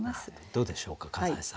どうでしょうか笠井さん。